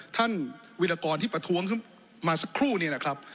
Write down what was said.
ท่านวิรากรที่ประท้วงมาสักครู่นี้นะครับ